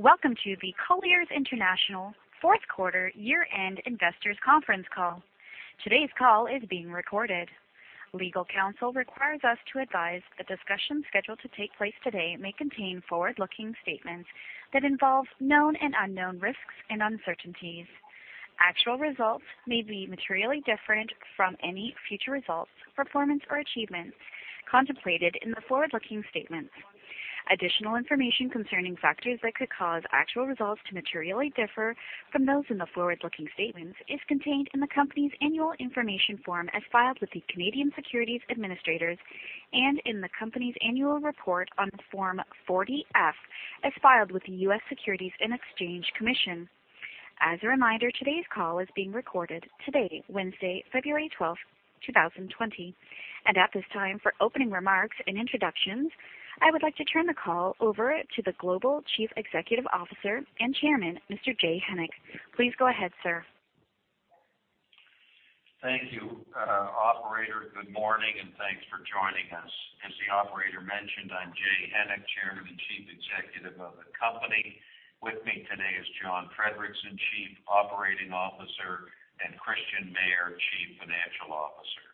Welcome to the Colliers International fourth quarter year-end investors conference call. Today's call is being recorded. Legal counsel requires us to advise that discussions scheduled to take place today may contain forward-looking statements that involve known and unknown risks and uncertainties. Actual results may be materially different from any future results, performance, or achievements contemplated in the forward-looking statements. Additional information concerning factors that could cause actual results to materially differ from those in the forward-looking statements is contained in the company's annual information form as filed with the Canadian Securities Administrators, and in the company's annual report on Form 40-F as filed with the U.S. Securities and Exchange Commission. As a reminder, today's call is being recorded today, Wednesday, February 12th, 2020. At this time, for opening remarks and introductions, I would like to turn the call over to the Global Chief Executive Officer and Chairman, Mr. Jay Hennick. Please go ahead, sir. Thank you, operator. Good morning, and thanks for joining us. As the operator mentioned, I'm Jay Hennick, Chairman and Chief Executive of the company. With me today is John Friedrichsen, Chief Operating Officer, and Christian Mayer, Chief Financial Officer.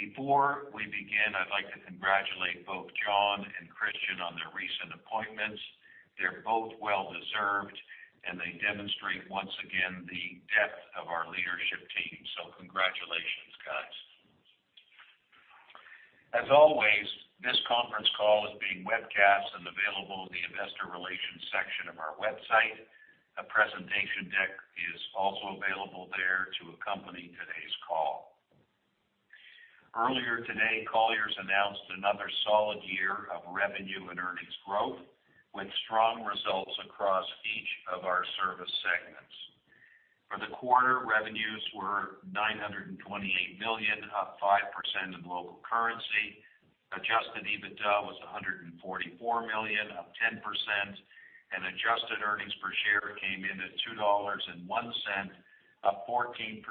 Before we begin, I'd like to congratulate both John and Christian on their recent appointments. They're both well-deserved, and they demonstrate, once again, the depth of our leadership team. Congratulations, guys. As always, this conference call is being webcast and available in the investor relations section of our website. A presentation deck is also available there to accompany today's call. Earlier today, Colliers announced another solid year of revenue and earnings growth, with strong results across each of our service segments. For the quarter, revenues were $928 million, up 5% in local currency. Adjusted EBITDA was $144 million, up 10%. Adjusted earnings per share came in at $2.01, up 14%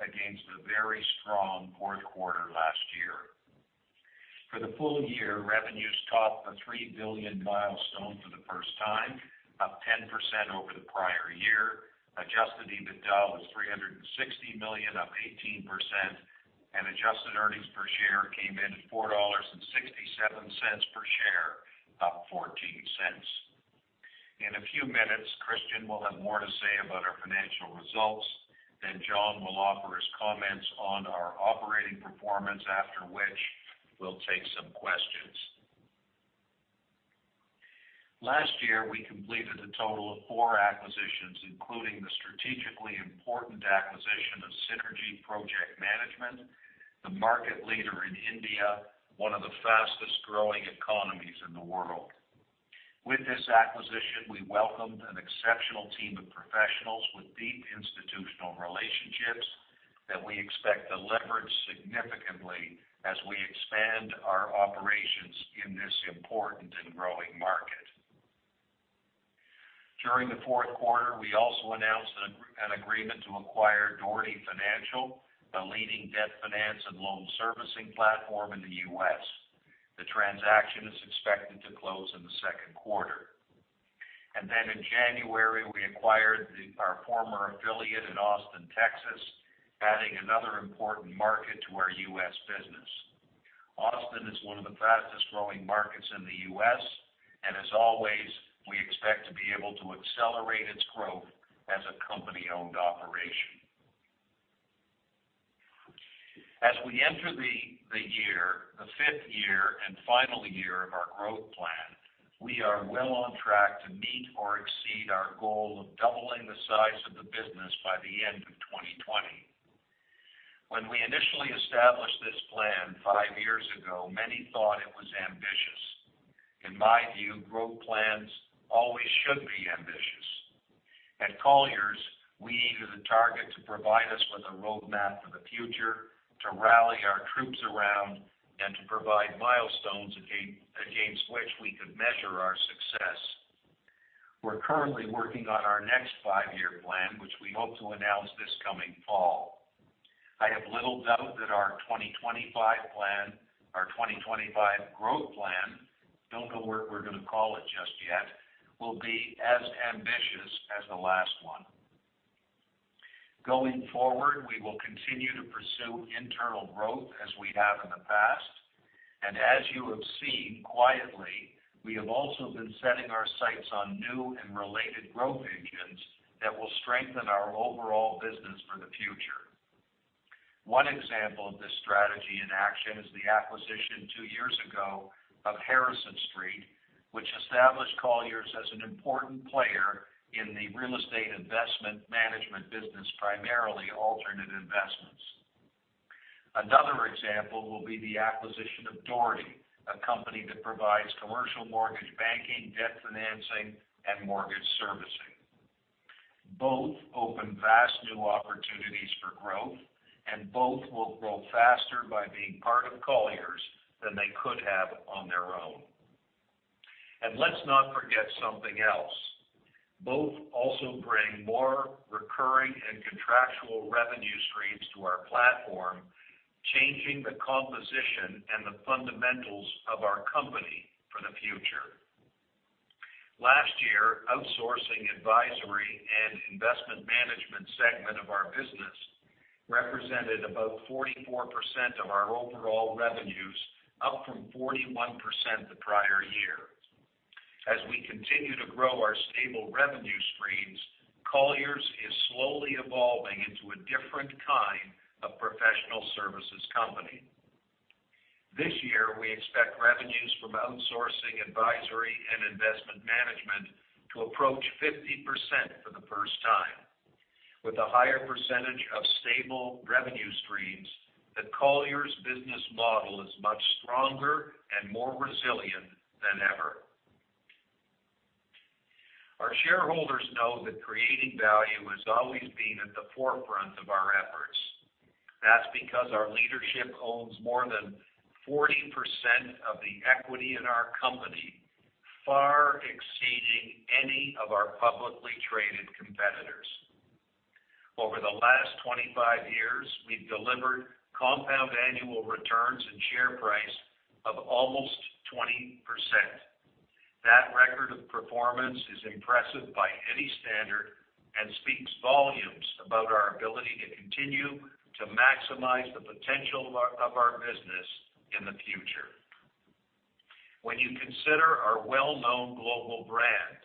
against a very strong fourth quarter last year. For the full year, revenues topped the $3 billion milestone for the first time, up 10% over the prior year. Adjusted EBITDA was $360 million, up 18%. Adjusted earnings per share came in at $4.67 per share, up $0.14. In a few minutes, Christian will have more to say about our financial results. John will offer his comments on our operating performance, after which we'll take some questions. Last year, we completed a total of four acquisitions, including the strategically important acquisition of Synergy Project Management, the market leader in India, one of the fastest-growing economies in the world. With this acquisition, we welcomed an exceptional team of professionals with deep institutional relationships that we expect to leverage significantly as we expand our operations in this important and growing market. During the fourth quarter, we also announced an agreement to acquire Dougherty Financial, the leading debt finance and loan servicing platform in the U.S. The transaction is expected to close in the second quarter. In January, we acquired our former affiliate in Austin, Texas, adding another important market to our U.S. business. Austin is one of the fastest-growing markets in the U.S., and as always, we expect to be able to accelerate its growth as a company-owned operation. As we enter the year, the fifth year and final year of our growth plan, we are well on track to meet or exceed our goal of doubling the size of the business by the end of 2020. When we initially established this plan five years ago, many thought it was ambitious. In my view, growth plans always should be ambitious. At Colliers, we needed a target to provide us with a roadmap for the future, to rally our troops around, and to provide milestones against which we could measure our success. We're currently working on our next five-year plan, which we hope to announce this coming fall. I have little doubt that our 2025 growth plan, don't know what we're going to call it just yet, will be as ambitious as the last one. Going forward, we will continue to pursue internal growth as we have in the past. As you have seen, quietly, we have also been setting our sights on new and related growth engines that will strengthen our overall business for the future. One example of this strategy in action is the acquisition two years ago of Harrison Street, which established Colliers as an important player in the real estate investment management business, primarily alternate investments. Another example will be the acquisition of Dougherty, a company that provides commercial mortgage banking, debt financing, and mortgage servicing. Both open vast new opportunities for growth, and both will grow faster by being part of Colliers than they could have on their own. Let's not forget something else. Both also bring more recurring and contractual revenue streams to our platform, changing the composition and the fundamentals of our company for the future. Last year, outsourcing advisory and investment management segment of our business represented about 44% of our overall revenues, up from 41% the prior year. As we continue to grow our stable revenue streams, Colliers is slowly evolving into a different kind of professional services company. This year, we expect revenues from outsourcing advisory and investment management to approach 50% for the first time. With a higher percentage of stable revenue streams, the Colliers business model is much stronger and more resilient than ever. Our shareholders know that creating value has always been at the forefront of our efforts. That's because our leadership owns more than 40% of the equity in our company, far exceeding any of our publicly traded competitors. Over the last 25 years, we've delivered compound annual returns and share price of almost 20%. That record of performance is impressive by any standard and speaks volumes about our ability to continue to maximize the potential of our business in the future. When you consider our well-known global brand,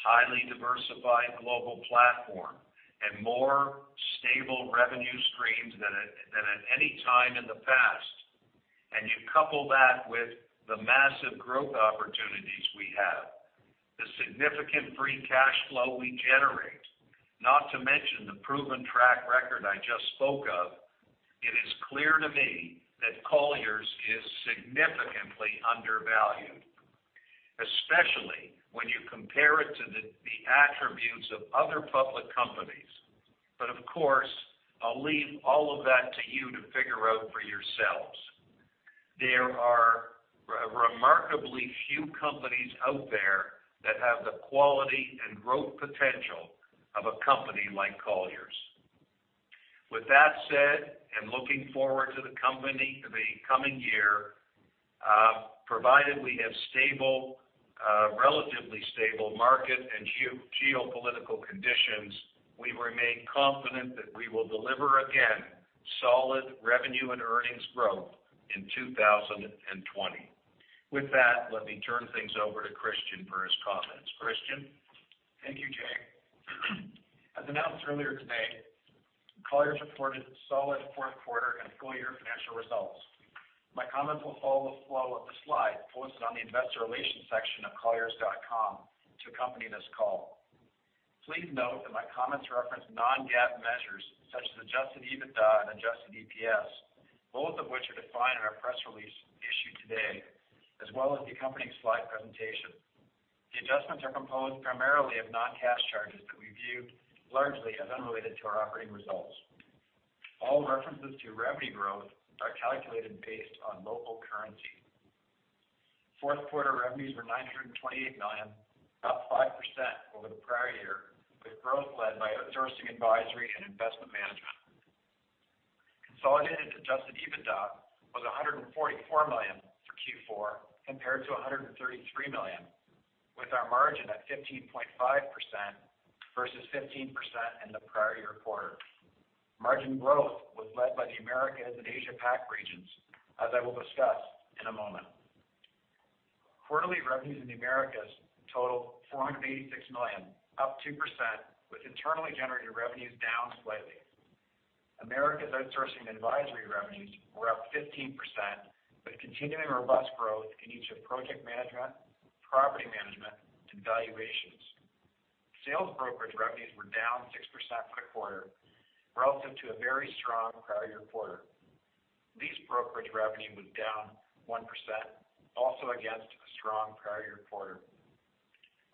highly diversified global platform, and more stable revenue streams than at any time in the past, and you couple that with the massive growth opportunities we have, the significant free cash flow we generate, not to mention the proven track record I just spoke of, it is clear to me that Colliers is significantly undervalued, especially when you compare it to the attributes of other public companies. Of course, I'll leave all of that to you to figure out for yourselves. There are remarkably few companies out there that have the quality and growth potential of a company like Colliers. With that said, and looking forward to the coming year, provided we have relatively stable market and geopolitical conditions, we remain confident that we will deliver again solid revenue and earnings growth in 2020. With that, let me turn things over to Christian for his comments. Christian? Thank you, Jay. As announced earlier today, Colliers reported solid fourth quarter and full-year financial results. My comments will follow the flow of the slide posted on the investor relations section of colliers.com to accompany this call. Please note that my comments reference non-GAAP measures such as adjusted EBITDA and adjusted EPS, both of which are defined in our press release issued today, as well as the accompanying slide presentation. The adjustments are composed primarily of non-cash charges that we viewed largely as unrelated to our operating results. All references to revenue growth are calculated based on local currency. Fourth quarter revenues were $928 million, up 5% over the prior year, with growth led by outsourcing advisory and investment management. Consolidated adjusted EBITDA was $144 million for Q4 compared to $133 million, with our margin at 15.5% versus 15% in the prior year quarter. Margin growth was led by the Americas and Asia-Pac regions, as I will discuss in a moment. Quarterly revenues in the Americas totaled $486 million, up 2%, with internally generated revenues down slightly. Americas outsourcing advisory revenues were up 15%, with continuing robust growth in each of project management, property management, and valuations. Sales brokerage revenues were down 6% quarter-over-quarter, relative to a very strong prior year quarter. Lease brokerage revenue was down 1%, also against a strong prior year quarter.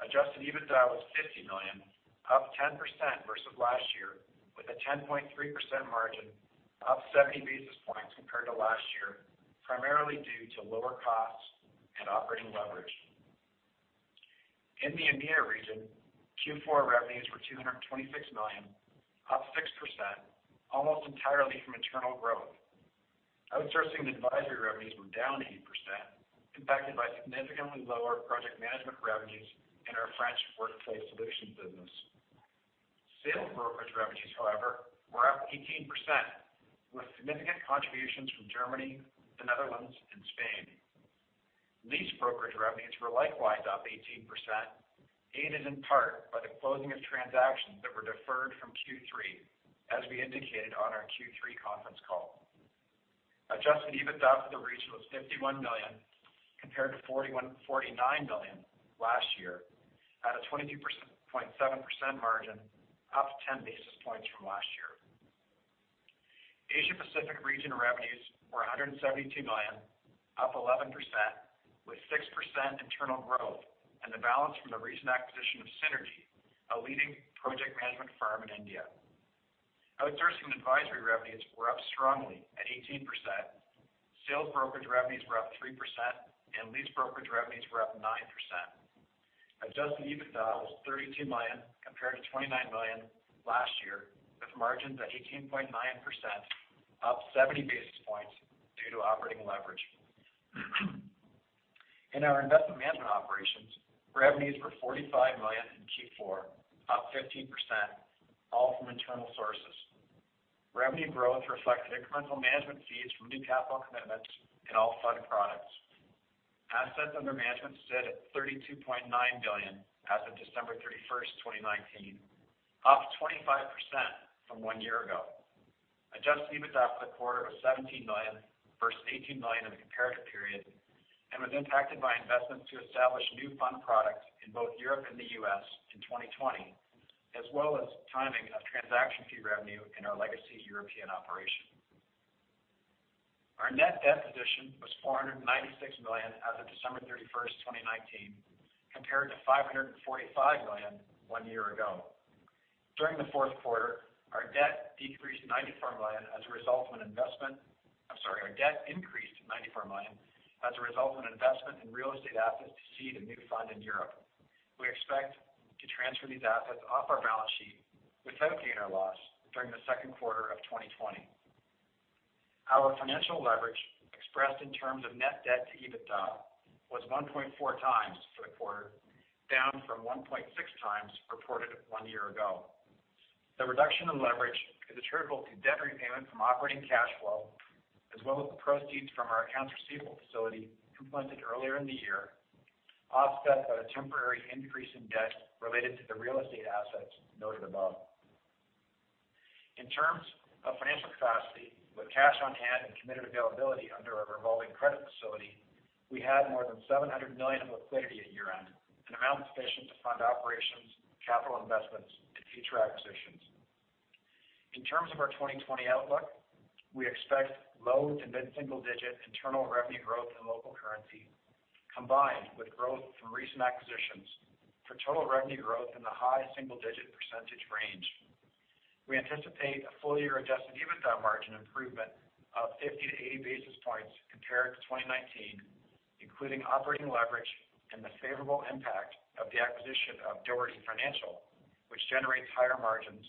Adjusted EBITDA was $50 million, up 10% versus last year, with a 10.3% margin, up 70 basis points compared to last year, primarily due to lower costs and operating leverage. In the EMEA region, Q4 revenues were $226 million, up 6%, almost entirely from internal growth. Outsourcing advisory revenues were down 8%, impacted by significantly lower project management revenues in our French workplace solutions business. Sales brokerage revenues, however, were up 18%, with significant contributions from Germany, the Netherlands, and Spain. Lease brokerage revenues were likewise up 18%, aided in part by the closing of transactions that were deferred from Q3, as we indicated on our Q3 conference call. Adjusted EBITDA for the region was $51 million, compared to $49 million last year, at a 22.7% margin, up 10 basis points from last year. Asia Pacific region revenues were $172 million, up 11%, with 6% internal growth and the balance from the recent acquisition of Synergy, a leading project management firm in India. Outsourcing advisory revenues were up strongly at 18%, sales brokerage revenues were up 3%, and lease brokerage revenues were up 9%. Adjusted EBITDA was $32 million compared to $29 million last year, with margins at 18.9%, up 70 basis points due to operating leverage. In our investment management operations, revenues were $45 million in Q4, up 15%, all from internal sources. Revenue growth reflected incremental management fees from new capital commitments in all fund products. Assets under management sit at $32.9 billion as of December 31st, 2019, up 25% from one year ago. Adjusted EBITDA for the quarter was $17 million versus $18 million in the comparative period and was impacted by investments to establish new fund products in both Europe and the U.S. in 2020, as well as timing of transaction fee revenue in our legacy European operation. Our net debt position was $496 million as of December 31st, 2019, compared to $545 million one year ago. During the fourth quarter, our debt increased $94 million as a result of an investment in real estate assets to seed a new fund in Europe. We expect to transfer these assets off our balance sheet without gain or loss during the second quarter of 2020. Our financial leverage expressed in terms of net debt to EBITDA was 1.4x for the quarter, down from 1.6x reported one year ago. The reduction in leverage is attributable to debt repayment from operating cash flow, as well as the proceeds from our accounts receivable facility completed earlier in the year, offset by a temporary increase in debt related to the real estate assets noted above. In terms of financial capacity with cash on hand and committed availability under a revolving credit facility, we had more than $700 million of liquidity at year-end, an amount sufficient to fund operations, capital investments, and future acquisitions. In terms of our 2020 outlook, we expect low- to mid-single-digit internal revenue growth in local currency, combined with growth from recent acquisitions for total revenue growth in the high single-digit percentage range. We anticipate a full-year Adjusted EBITDA margin improvement of 50 to 80 basis points compared to 2019, including operating leverage and the favorable impact of the acquisition of Dougherty Financial, which generates higher margins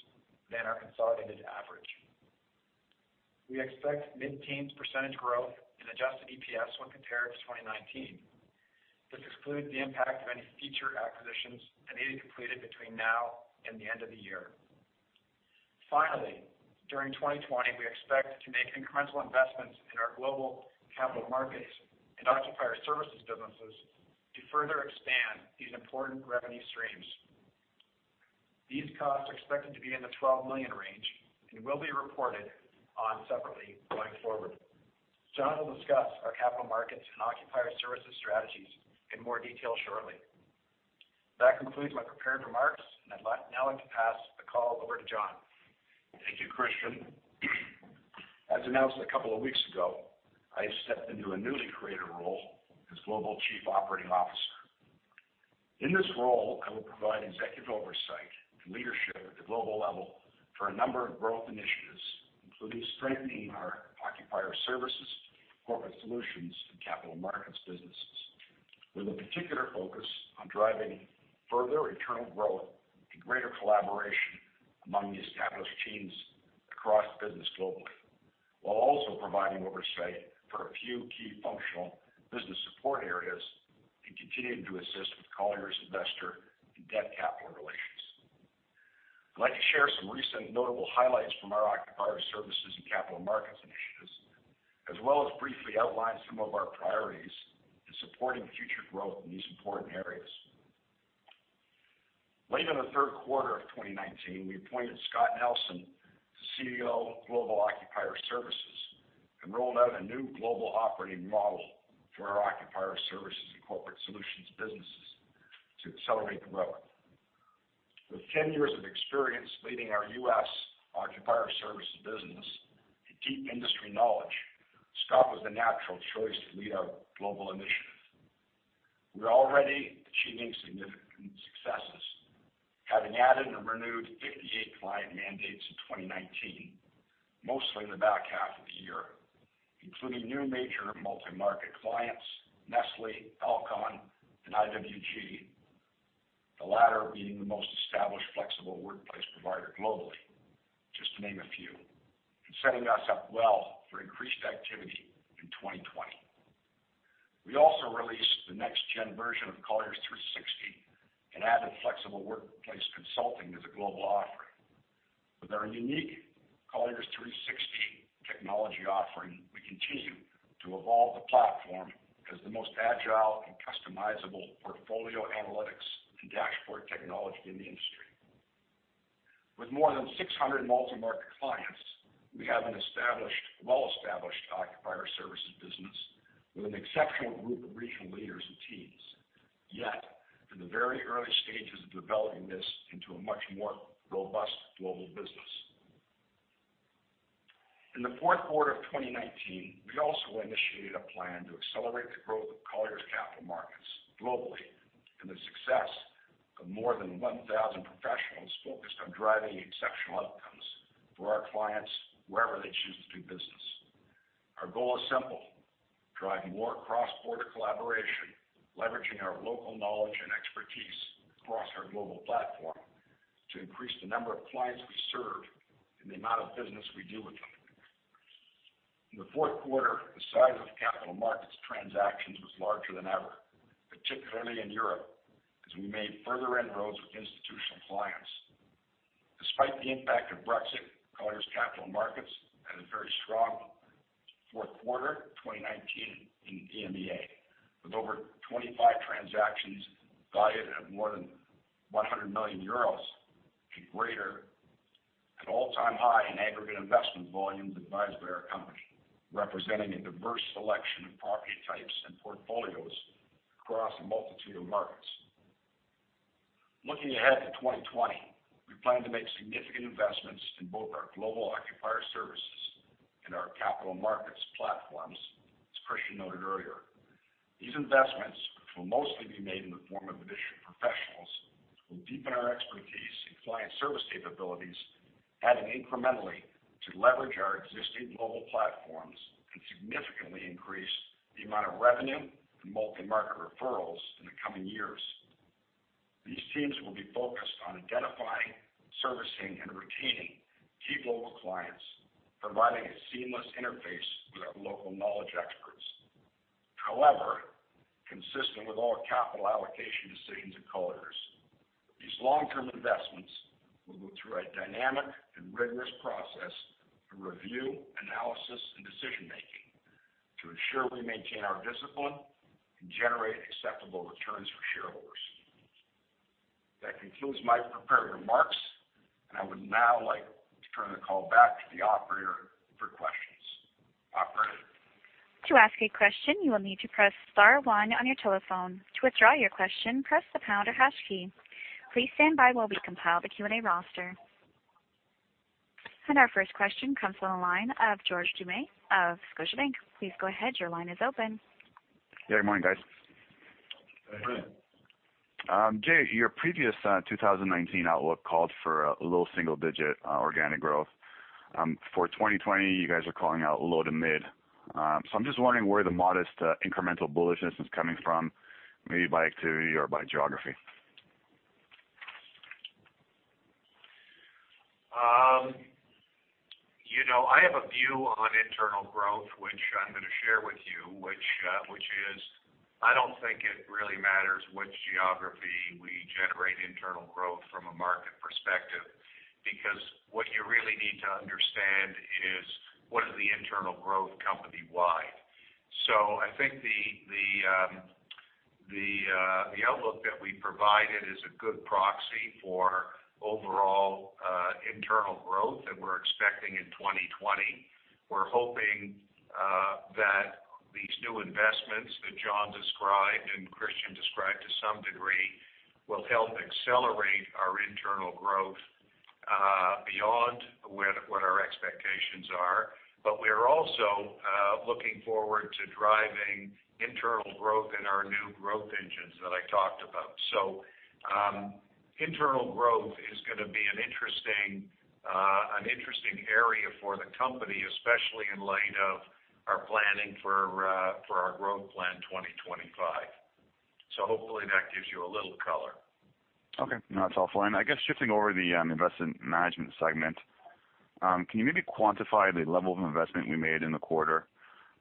than our consolidated average. We expect mid-teens percent growth in adjusted EPS when compared to 2019. This excludes the impact of any future acquisitions that may be completed between now and the end of the year. Finally, during 2020, we expect to make incremental investments in our Colliers Capital Markets and Global Occupier Services businesses to further expand these important revenue streams. These costs are expected to be in the $12 million range and will be reported on separately going forward. John will discuss our capital markets and occupier services strategies in more detail shortly. That concludes my prepared remarks. I'd now like to pass the call over to John. Thank you, Christian. As announced a couple of weeks ago, I stepped into a newly created role as Global Chief Operating Officer. In this role, I will provide executive oversight and leadership at the global level for a number of growth initiatives, including strengthening our Occupier Services, Corporate Solutions, and Capital Markets businesses, with a particular focus on driving further internal growth and greater collaboration among the established teams across the business globally. While also providing oversight for a few key functional business support areas and continuing to assist with Colliers' investor and debt capital relations. I'd like to share some recent notable highlights from our Occupier Services and Capital Markets initiatives, as well as briefly outline some of our priorities in supporting future growth in these important areas. Late in the third quarter of 2019, we appointed Scott Nelson as the CEO of Global Occupier Services and rolled out a new global operating model for our occupier services and corporate solutions businesses to accelerate growth. With 10 years of experience leading our U.S. Occupier Services business and deep industry knowledge, Scott was the natural choice to lead our global initiative. We're already achieving significant successes, having added and renewed 58 client mandates in 2019, mostly in the back half of the year, including new major multi-market clients, Nestlé, Alcon, and IWG, the latter being the most established flexible workplace provider globally, just to name a few, and setting us up well for increased activity in 2020. We also released the next-gen version of Colliers 360 and added flexible workplace consulting as a global offering. With our unique Colliers 360 technology offering, we continue to evolve the platform as the most agile and customizable portfolio analytics and dashboard technology in the industry. With more than 600 multi-market clients, we have a well-established occupier services business with an exceptional group of regional leaders and teams. We're in the very early stages of developing this into a much more robust global business. In the fourth quarter of 2019, we also initiated a plan to accelerate the growth of Colliers Capital Markets globally and the success of more than 1,000 professionals focused on driving exceptional outcomes for our clients wherever they choose to do business. Our goal is simple. Drive more cross-border collaboration, leveraging our local knowledge and expertise across our global platform to increase the number of clients we serve and the amount of business we do with them. In the fourth quarter, the size of Capital Markets transactions was larger than ever, particularly in Europe, as we made further inroads with institutional clients. Despite the impact of Brexit, Colliers Capital Markets had a very strong fourth quarter 2019 in EMEA with over 25 transactions valued at more than 100 million euros and greater. An all-time high in aggregate investment volumes advised by our company, representing a diverse selection of property types and portfolios across a multitude of markets. Looking ahead to 2020, we plan to make significant investments in both our Global Occupier Services and our Capital Markets platforms, as Christian noted earlier. These investments, which will mostly be made in the form of additional professionals, will deepen our expertise in client service capabilities, adding incrementally to leverage our existing global platforms and significantly increase the amount of revenue and multi-market referrals in the coming years. These teams will be focused on identifying, servicing, and retaining key global clients, providing a seamless interface with our local knowledge experts. However, consistent with all capital allocation decisions at Colliers, these long-term investments will go through a dynamic and rigorous process of review, analysis, and decision-making to ensure we maintain our discipline and generate acceptable returns for shareholders. That concludes my prepared remarks, and I would now like to turn the call back to the operator for questions. Operator? To ask a question, you will need to press star one on your telephone. To withdraw your question, press the pound or hash key. Please stand by while we compile the Q&A roster. Our first question comes from the line of George Doumet of Scotiabank. Please go ahead. Your line is open. Yeah. Good morning, guys. Good morning. Jay, your previous 2019 outlook called for a low single-digit organic growth. For 2020, you guys are calling out low to mid. I'm just wondering where the modest incremental bullishness is coming from, maybe by activity or by geography. I have a view on internal growth, which I'm going to share with you, which is, I don't think it really matters which geography we generate internal growth from a market perspective because what you really need to understand is, what is the internal growth company-wide? I think the outlook that we provided is a good proxy for overall internal growth that we're expecting in 2020. We're hoping that these new investments that John described and Christian described to some degree will help accelerate our internal growth beyond what our expectations are. We're also looking forward to driving internal growth in our new growth engines that I talked about. Internal growth is going to be an interesting area for the company, especially in light of our planning for our Growth Plan 2025. Hopefully that gives you a little color. Okay. No, that's helpful. I guess shifting over the investment management segment. Can you maybe quantify the level of investment you made in the quarter?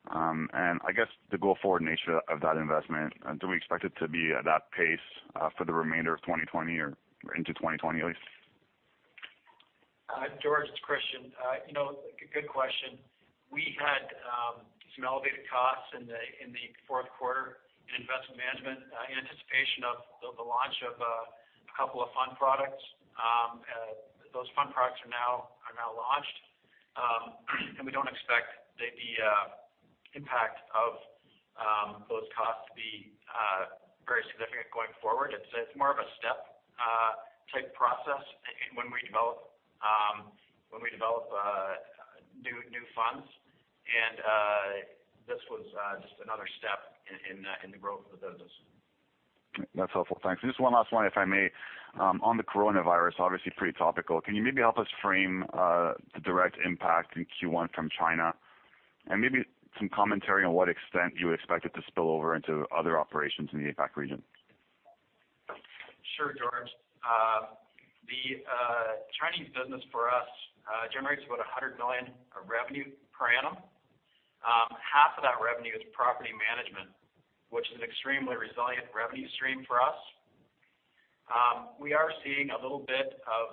I guess the go-forward nature of that investment, do we expect it to be at that pace for the remainder of 2020 or into 2020 at least? George, it's Christian. Good question. We had some elevated costs in the fourth quarter in investment management in anticipation of the launch of a couple of fund products. Those fund products are now launched. We don't expect the impact of those costs to be very significant going forward. It's more of a step type process when we develop new funds. This was just another step in the growth of the business. That's helpful. Thanks. Just one last one, if I may. On the coronavirus, obviously pretty topical. Can you maybe help us frame the direct impact in Q1 from China? Maybe some commentary on what extent you expect it to spill over into other operations in the APAC region? Sure, George. The Chinese business for us generates about $100 million of revenue per annum. Half of that revenue is property management, which is an extremely resilient revenue stream for us. We are seeing a little bit of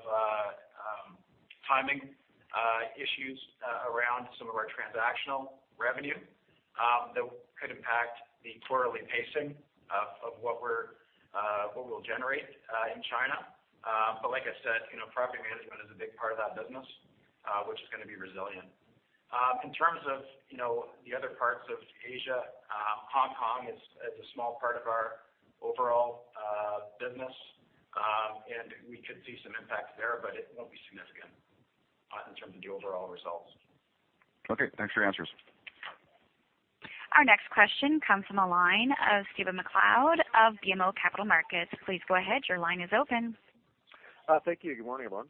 timing issues around some of our transactional revenue that could impact the quarterly pacing of what we'll generate in China. Like I said, property management is a big part of that business, which is going to be resilient. In terms of the other parts of Asia, Hong Kong is a small part of our overall business. We could see some impact there, but it won't be significant in terms of the overall results. Okay. Thanks for your answers. Our next question comes from the line of Stephen MacLeod of BMO Capital Markets. Please go ahead. Your line is open. Thank you. Good morning, everyone.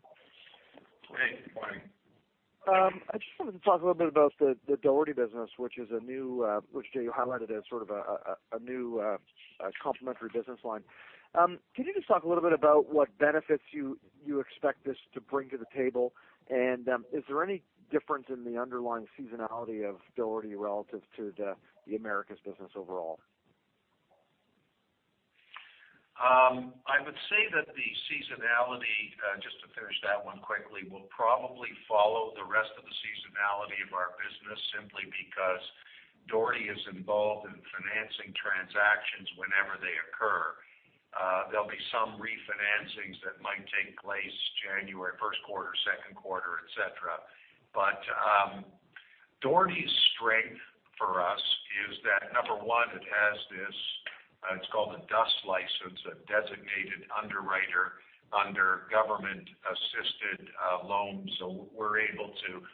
Hey, good morning. I just wanted to talk a little bit about the Dougherty business, which you highlighted as sort of a new complementary business line. Can you just talk a little bit about what benefits you expect this to bring to the table? Is there any difference in the underlying seasonality of Dougherty relative to the Americas business overall? I would say that the seasonality, just to finish that one quickly, will probably follow the rest of the seasonality of our business, simply because Dougherty is involved in financing transactions whenever they occur. There'll be some refinancings that might take place January first quarter, second quarter, et cetera. Dougherty's strength for us is that, number one, it has this, it's called a DUS license, a Designated Underwriter under Government-Assisted Loans.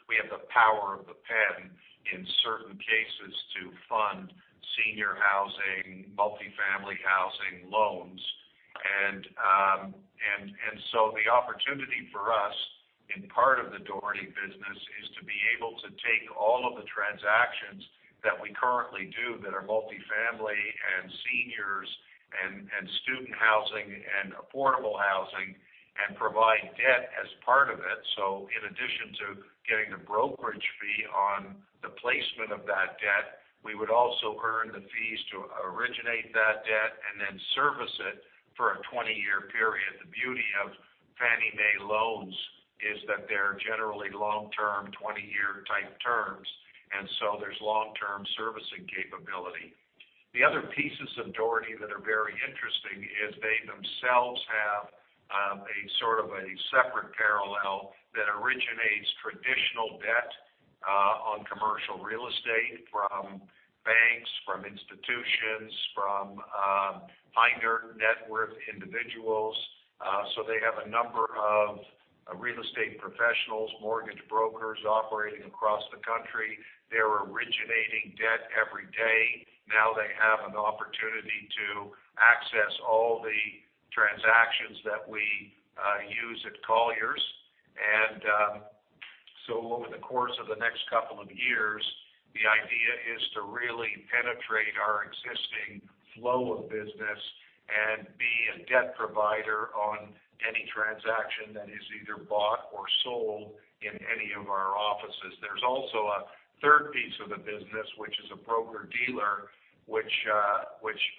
We have the power of the pen in certain cases to fund senior housing, multifamily housing loans. The opportunity for us in part of the Dougherty business is to be able to take all of the transactions that we currently do that are multifamily and seniors and student housing and affordable housing, and provide debt as part of it. In addition to getting a brokerage fee on the placement of that debt, we would also earn the fees to originate that debt and then service it for a 20-year period. The beauty of Fannie Mae loans is that they're generally long-term, 20-year type terms, there's long-term servicing capability. The other pieces of Dougherty that are very interesting is they themselves have a sort of a separate parallel that originates traditional debt on commercial real estate from banks, from institutions, from high-net worth individuals. They have a number of real estate professionals, mortgage brokers operating across the country. They're originating debt every day. Now they have an opportunity to access all the transactions that we use at Colliers. Over the course of the next couple of years, the idea is to really penetrate our existing flow of business and be a debt provider on any transaction that is either bought or sold in any of our offices. There's also a third piece of the business, which is a broker-dealer, which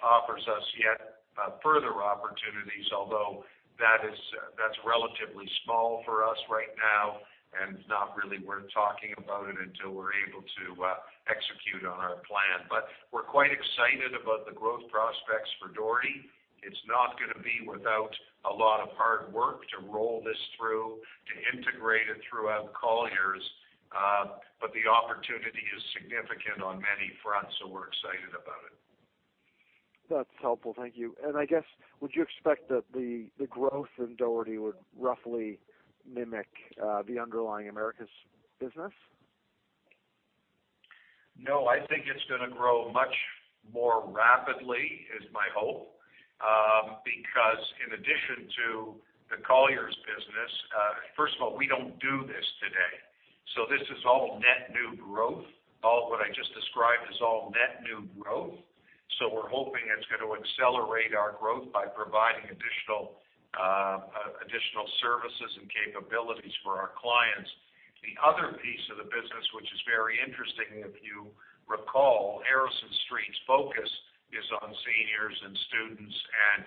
offers us yet further opportunities, although that's relatively small for us right now and not really worth talking about it until we're able to execute on our plan. We're quite excited about the growth prospects for Dougherty. It's not going to be without a lot of hard work to roll this through, to integrate it throughout Colliers. The opportunity is significant on many fronts, so we're excited about it. That's helpful. Thank you. I guess, would you expect that the growth in Dougherty would roughly mimic the underlying Americas business? No, I think it's going to grow much more rapidly, is my hope, because in addition to the Colliers business-- First of all, we don't do this today. This is all net new growth. All what I just described is all net new growth. We're hoping it's going to accelerate our growth by providing additional services and capabilities for our clients. The other piece of the business, which is very interesting, if you recall, Harrison Street's focus is on seniors and students, and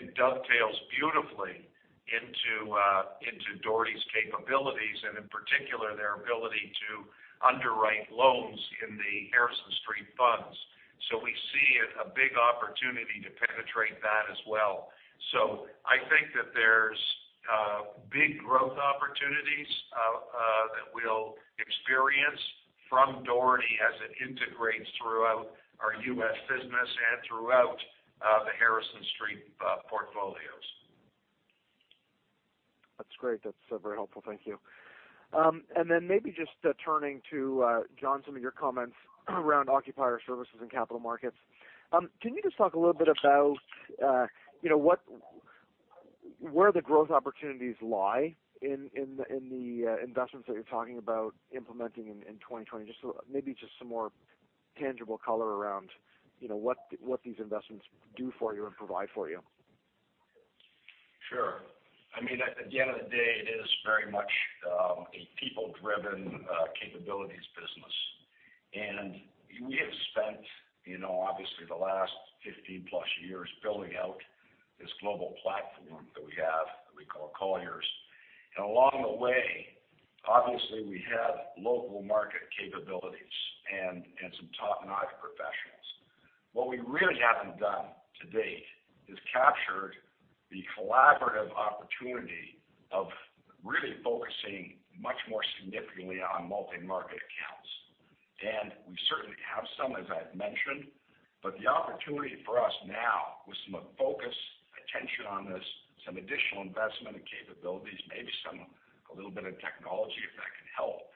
it dovetails beautifully into Dougherty's capabilities and in particular, their ability to underwrite loans in the Harrison Street funds. We see a big opportunity to penetrate that as well. I think that there's big growth opportunities that we'll experience from Dougherty as it integrates throughout our U.S. business and throughout the Harrison Street portfolios. That's great. That's very helpful. Thank you. Then maybe just turning to, John, some of your comments around Occupier Services and Capital Markets. Can you just talk a little bit about where the growth opportunities lie in the investments that you're talking about implementing in 2020? Just maybe just some more tangible color around what these investments do for you and provide for you. Sure. At the end of the day, it is very much a people-driven capabilities business. We have spent obviously the last 15+ years building out this global platform that we have that we call Colliers. Along the way, obviously we have local market capabilities and some top-notch professionals. What we really haven't done to date is captured the collaborative opportunity of really focusing much more significantly on multi-market accounts. We certainly have some, as I've mentioned, but the opportunity for us now with some focus, attention on this, some additional investment and capabilities, maybe a little bit of technology, if that can help,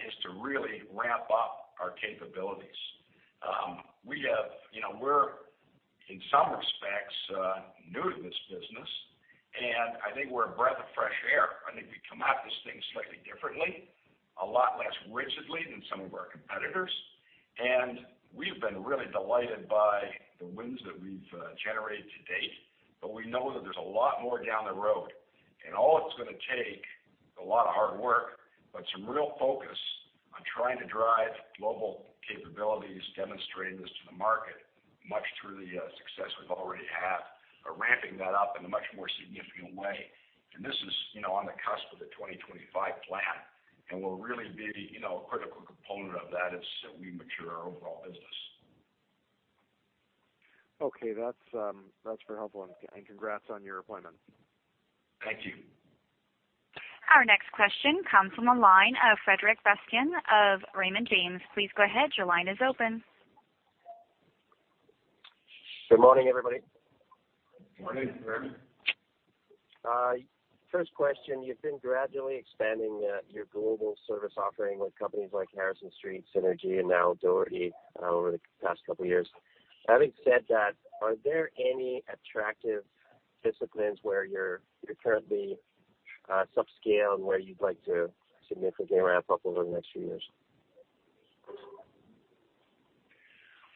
is to really ramp up our capabilities. We're, in some respects, new to this business, and I think we're a breath of fresh air. I think we come at this thing slightly differently, a lot less rigidly than some of our competitors, and we've been really delighted by the wins that we've generated to date. We know that there's a lot more down the road. All it's going to take, a lot of hard work, but some real focus on trying to drive global capabilities, demonstrating this to the market, much through the success we've already had, but ramping that up in a much more significant way. This is on the cusp of the 2025 Plan, and will really be a critical component of that as we mature our overall business. Okay. That's very helpful, and congrats on your appointment. Thank you. Our next question comes from the line of Frederic Bastien of Raymond James. Please go ahead, your line is open. Good morning, everybody. Morning, Fred. First question, you've been gradually expanding your global service offering with companies like Harrison Street, Synergy, and now Dougherty over the past couple of years. Having said that, are there any attractive disciplines where you're currently subscale and where you'd like to significantly ramp up over the next few years?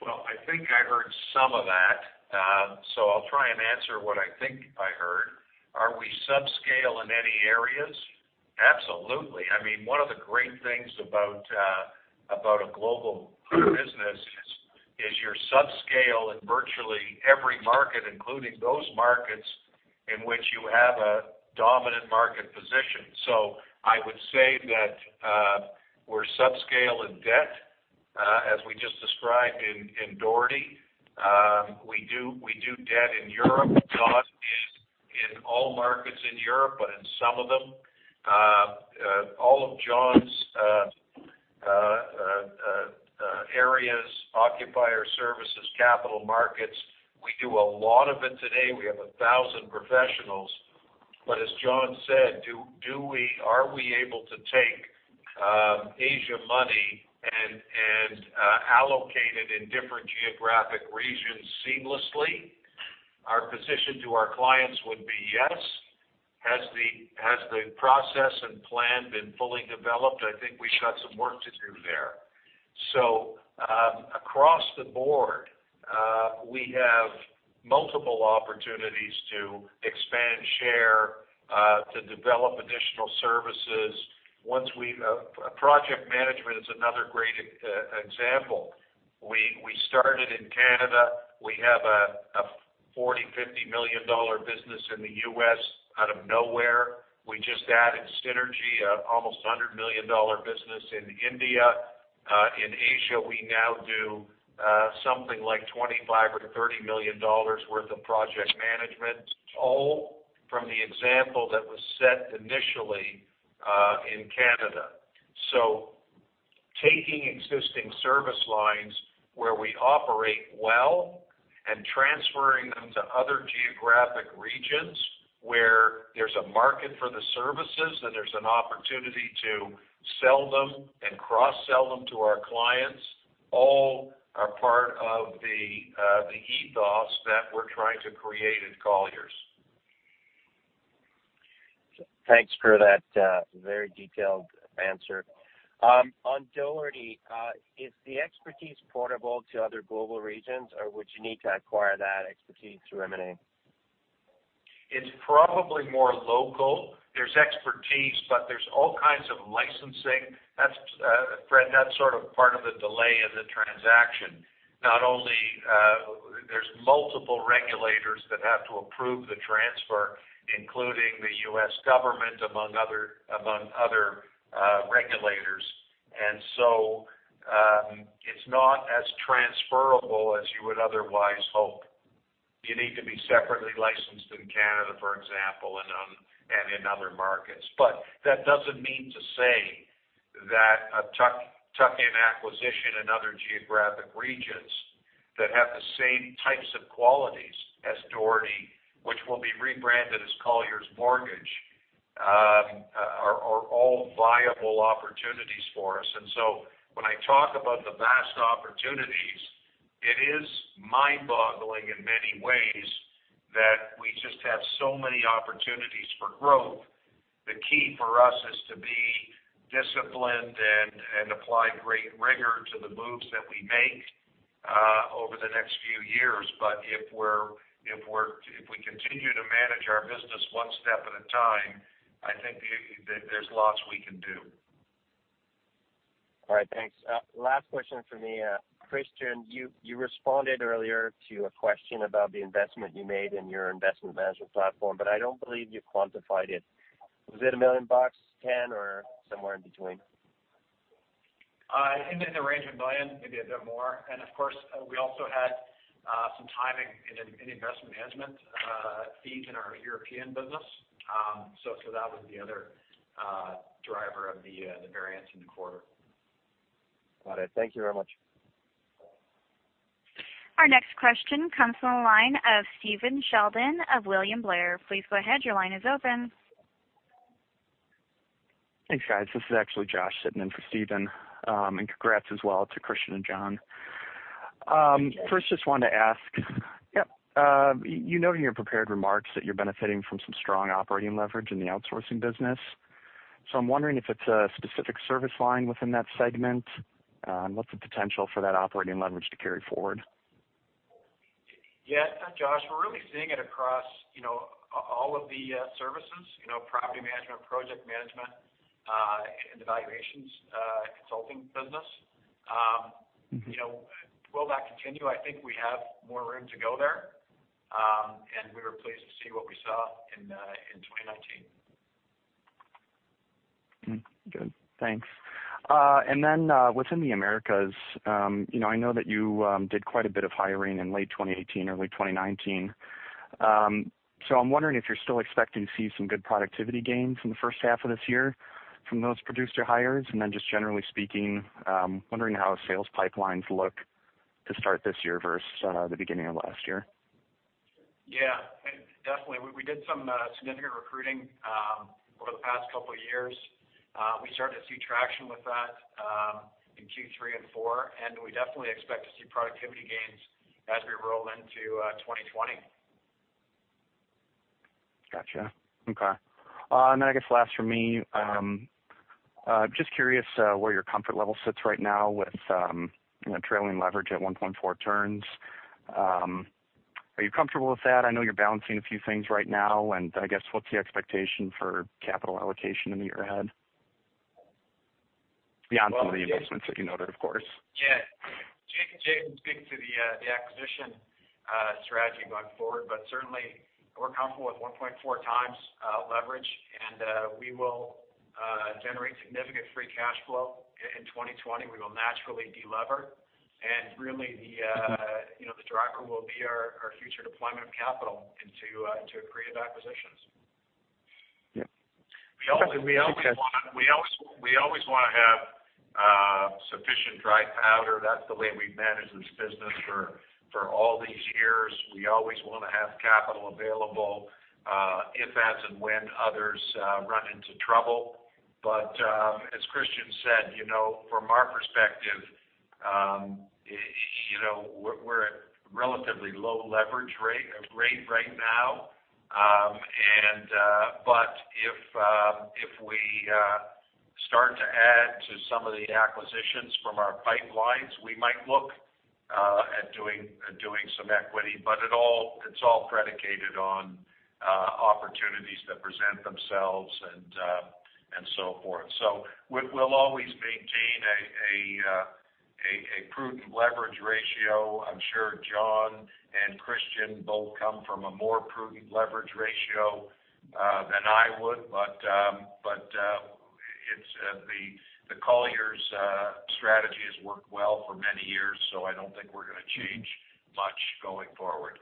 I think I heard some of that. I'll try and answer what I think I heard. Are we subscale in any areas? Absolutely. I mean, one of the great things about a global business is you're subscale in virtually every market, including those markets in which you have a dominant market position. I would say that we're subscale in debt, as we just described in Dougherty. We do debt in Europe, not in all markets in Europe, but in some of them. All of John's areas, Global Occupier Services, Colliers Capital Markets, we do a lot of it today. We have 1,000 professionals. As John said, are we able to take Asia money and allocate it in different geographic regions seamlessly? Our position to our clients would be yes. Has the process and plan been fully developed? I think we've got some work to do there. Across the board, we have multiple opportunities to expand share, to develop additional services. Project management is another great example. We started in Canada. We have a $40 million, $50 million business in the U.S. out of nowhere. We just added Synergy, an almost $100 million business in India. In Asia, we now do something like $25 million or $30 million worth of project management, all from the example that was set initially in Canada. Taking existing service lines where we operate well and transferring them to other geographic regions where there's a market for the services, and there's an opportunity to sell them and cross-sell them to our clients, all are part of the ethos that we're trying to create at Colliers. Thanks for that very detailed answer. On Dougherty, is the expertise portable to other global regions, or would you need to acquire that expertise through M&A? It's probably more local. There's expertise, but there's all kinds of licensing. Fred, that's sort of part of the delay of the transaction. There's multiple regulators that have to approve the transfer, including the U.S. government, among other regulators. It's not as transferrable as you would otherwise hope. You need to be separately licensed in Canada, for example, and in other markets. That doesn't mean to say that a tuck-in acquisition in other geographic regions that have the same types of qualities as Dougherty, which will be rebranded as Colliers Mortgage, are all viable opportunities for us. When I talk about the vast opportunities, it is mind-boggling in many ways that we just have so many opportunities for growth. The key for us is to be disciplined and apply great rigor to the moves that we make over the next few years. If we continue to manage our business one step at a time, I think there's lots we can do. All right. Thanks. Last question from me. Christian, you responded earlier to a question about the investment you made in your investment management platform. I don't believe you quantified it. Was it $1 million, $10 million, or somewhere in between? In the range of $1 million, maybe a bit more. Of course, we also had some timing in investment management fees in our European business. That was the other driver of the variance in the quarter. Got it. Thank you very much. Our next question comes from the line of Stephen Sheldon of William Blair. Please go ahead. Your line is open. Thanks, guys. This is actually Josh sitting in for Stephen. Congrats as well to Christian and John. Thank you. First, just wanted to ask. You note in your prepared remarks that you're benefiting from some strong operating leverage in the outsourcing business. I'm wondering if it's a specific service line within that segment, and what's the potential for that operating leverage to carry forward? Yeah. Josh, we're really seeing it across all of the services, property management, project management, and the valuations consulting business. Will that continue? I think we have more room to go there. We were pleased to see what we saw in 2019. Good. Thanks. Within the Americas, I know that you did quite a bit of hiring in late 2018, early 2019. I'm wondering if you're still expecting to see some good productivity gains in the first half of this year from those producer hires, and then just generally speaking, I'm wondering how sales pipelines look to start this year versus the beginning of last year. Yeah. Definitely. We did some significant recruiting over the past couple of years. We started to see traction with that in Q3 and Q4. We definitely expect to see productivity gains as we roll into 2020. Got you. Okay. I guess last for me, just curious where your comfort level sits right now with trailing leverage at 1.4x. Are you comfortable with that? I know you're balancing a few things right now, and I guess what's the expectation for capital allocation in the year ahead? Beyond some of the investments that you noted, of course. Yeah. Jay can speak to the acquisition strategy going forward, but certainly we're comfortable with 1.4x leverage, and we will generate significant free cash flow in 2020. We will naturally de-lever. Really the driver will be our future deployment of capital into accretive acquisitions. Yep. We always want to have sufficient dry powder. That's the way we've managed this business for all these years. We always want to have capital available if, as, and when others run into trouble. As Christian said, from our perspective, we're at relatively low leverage rate right now. If we start to add to some of the acquisitions from our pipelines, we might look at doing some equity. It's all predicated on opportunities that present themselves and so forth. We'll always maintain a prudent leverage ratio. I'm sure John and Christian both come from a more prudent leverage ratio than I would. The Colliers strategy has worked well for many years, so I don't think we're going to change much going forward.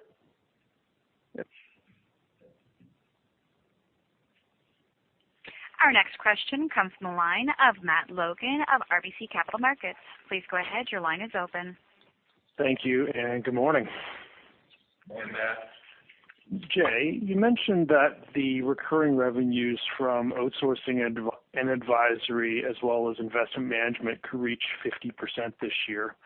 Yep. Our next question comes from the line of Matt Logan of RBC Capital Markets. Please go ahead. Your line is open. Thank you, and good morning. Morning, Matt. Jay, you mentioned that the recurring revenues from outsourcing and advisory as well as investment management could reach 50% this year.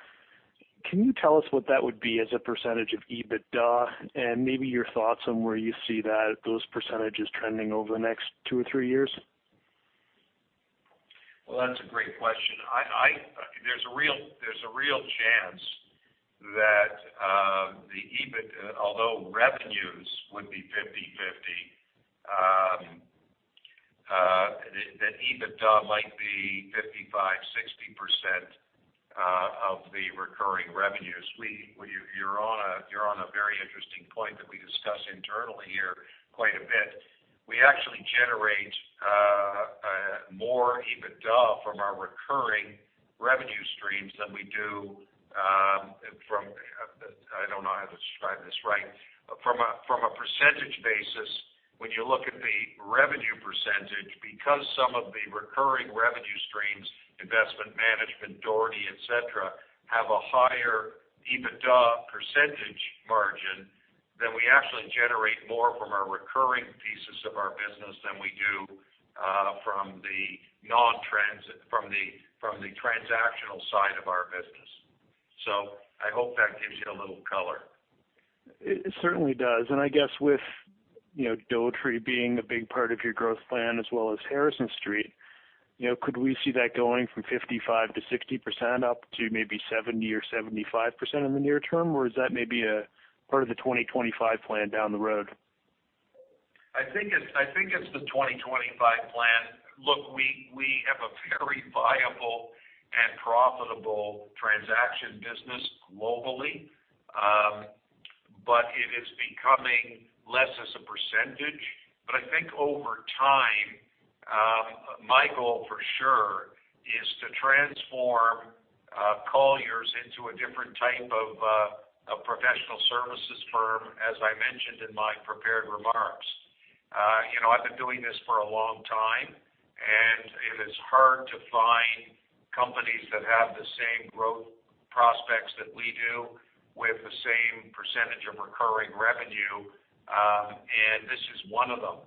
Can you tell us what that would be as a percentage of EBITDA, and maybe your thoughts on where you see those percentages trending over the next two or three years? Well, that's a great question. There's a real chance that although revenues would be 50/50, that EBITDA might be 55%, 60% of the recurring revenues. You're on a very interesting point that we discuss internally here quite a bit. We actually generate more EBITDA from our recurring revenue streams than we do. I don't know how to describe this right. From a percentage basis, when you look at the revenue percentage, because some of the recurring revenue streams, investment management, Dougherty, et cetera, have a higher EBITDA percentage margin, then we actually generate more from our recurring pieces of our business than we do from the transactional side of our business. I hope that gives you a little color. It certainly does. I guess with Dougherty being a big part of your growth plan as well as Harrison Street, could we see that going from 55%-60% up to maybe 70% or 75% in the near term, or is that maybe a part of the 2025 plan down the road? I think it's the 2025 plan. Look, we have a very viable and profitable transaction business globally. It is becoming less as a percentage. I think over time, my goal, for sure, is to transform Colliers into a different type of professional services firm, as I mentioned in my prepared remarks. I've been doing this for a long time, it is hard to find companies that have the same growth prospects that we do with the same percentage of recurring revenue. This is one of them.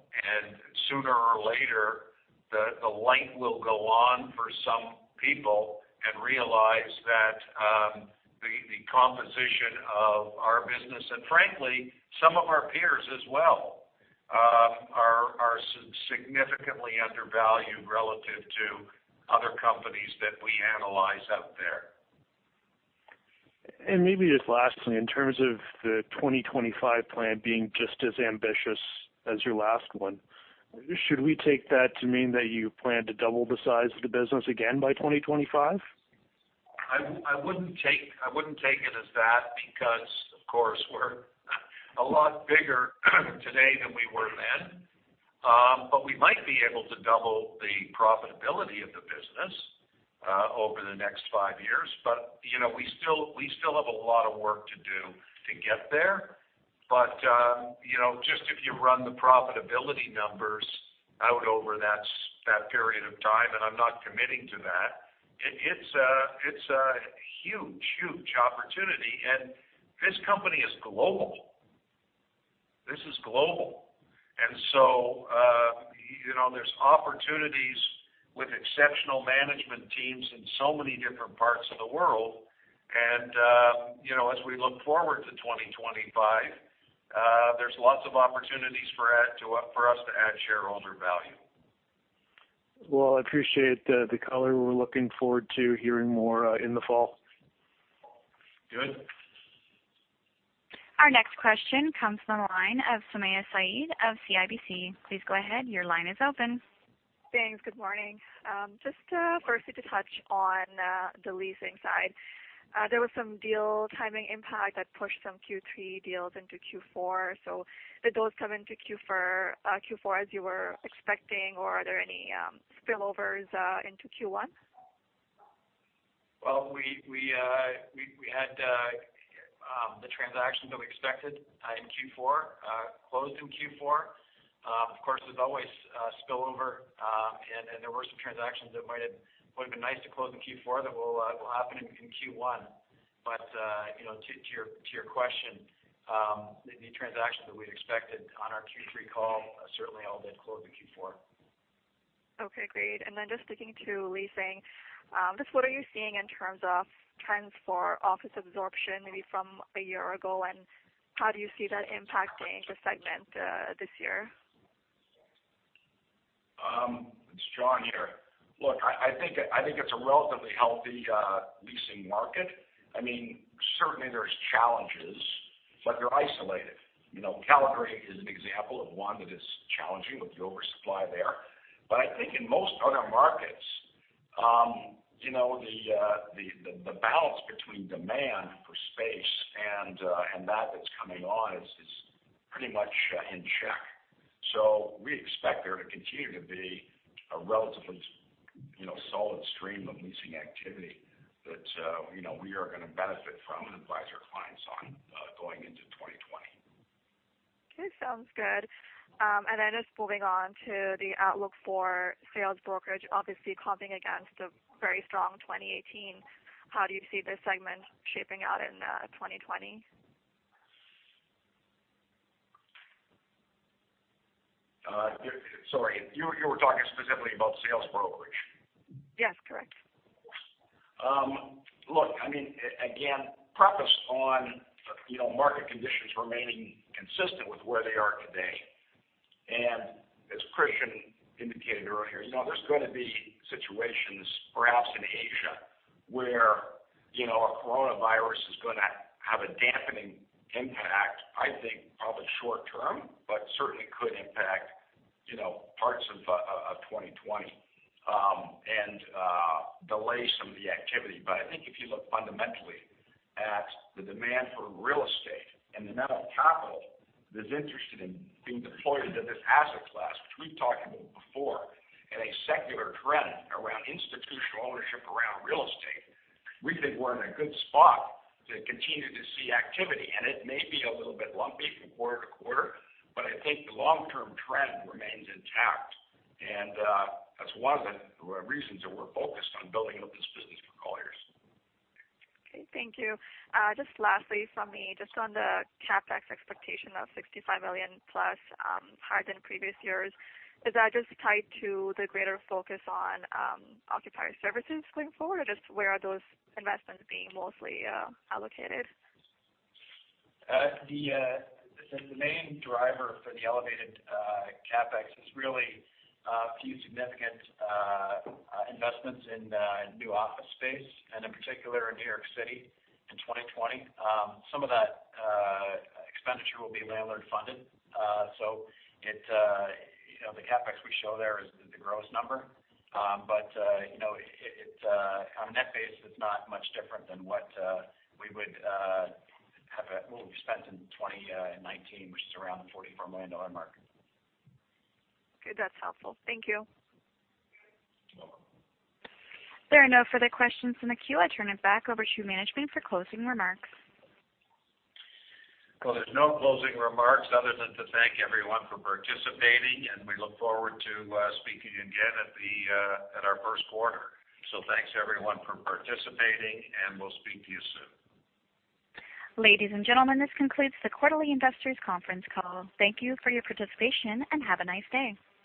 Sooner or later, the light will go on for some people and realize that the composition of our business, and frankly, some of our peers as well, are significantly undervalued relative to other companies that we analyze out there. Maybe just lastly, in terms of the 2025 plan being just as ambitious as your last one, should we take that to mean that you plan to double the size of the business again by 2025? I wouldn't take it as that because, of course, we're a lot bigger today than we were then. We might be able to double the profitability of the business over the next five years. We still have a lot of work to do to get there. Just if you run the profitability numbers out over that period of time, and I'm not committing to that, it's a huge opportunity. This company is global. This is global. There's opportunities with exceptional management teams in so many different parts of the world. As we look forward to 2025, there's lots of opportunities for us to add shareholder value. Well, I appreciate the color. We're looking forward to hearing more in the fall. Good. Our next question comes from the line of Sumayya Syed of CIBC. Please go ahead. Your line is open. Thanks. Good morning. Just firstly to touch on the leasing side. There was some deal timing impact that pushed some Q3 deals into Q4. Did those come into Q4 as you were expecting, or are there any spillovers into Q1? Well, we had the transactions that we expected in Q4 closed in Q4. Of course, there's always spillover, and there were some transactions that might have been nice to close in Q4 that will happen in Q1. To your question, the transactions that we'd expected on our Q3 call certainly all did close in Q4. Okay, great. Then just sticking to leasing, just what are you seeing in terms of trends for office absorption, maybe from a year ago, and how do you see that impacting the segment this year? It's John here. Look, I think it's a relatively healthy leasing market. Certainly, there's challenges, but they're isolated. Calgary is an example of one that is challenging with the oversupply there. I think in most other markets, the balance between demand for space and that's coming on is pretty much in check. We expect there to continue to be a relatively solid stream of leasing activity that we are going to benefit from and advise our clients on going into 2020. Okay, sounds good. Just moving on to the outlook for sales brokerage, obviously comping against a very strong 2018. How do you see this segment shaping out in 2020? Sorry, you were talking specifically about sales brokerage. Yes, correct. Look, again, preface on market conditions remaining consistent with where they are today. As Christian indicated earlier, there's going to be situations perhaps in Asia where a coronavirus is going to have a dampening impact, I think probably short-term, but certainly could impact parts of 2020 and delay some of the activity. I think if you look fundamentally at the demand for real estate and the amount of capital that is interested in being deployed into this asset class, which we've talked about before, and a secular trend around institutional ownership around real estate, we think we're in a good spot to continue to see activity. It may be a little bit lumpy from quarter to quarter, but I think the long-term trend remains intact. That's one of the reasons that we're focused on building up this business for Colliers. Okay, thank you. Just lastly from me, just on the CapEx expectation of $65 million+, higher than previous years, is that just tied to the greater focus on occupier services going forward, or just where are those investments being mostly allocated? The main driver for the elevated CapEx is really a few significant investments in new office space, and in particular in New York City in 2020. Some of that expenditure will be landlord-funded. The CapEx we show there is the gross number. On a net basis, it's not much different than what we spent in 2019, which is around the $44 million mark. Good. That's helpful. Thank you. You're welcome. There are no further questions in the queue. I turn it back over to management for closing remarks. Well, there's no closing remarks other than to thank everyone for participating, and we look forward to speaking again at our first quarter. Thanks, everyone, for participating, and we'll speak to you soon. Ladies and gentlemen, this concludes the quarterly investors conference call. Thank you for your participation, and have a nice day.